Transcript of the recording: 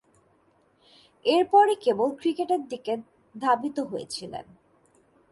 এরপরই কেবল ক্রিকেটের দিকে ধাবিত হয়েছিলেন।